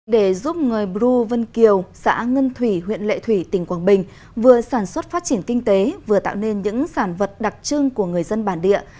để giúp người bru vân kiều xã ngân thủy huyện lệ thủy tỉnh quảng bình vừa sản xuất phát triển kinh tế vừa tạo nên những sản vật đặc trưng của người dân bản địa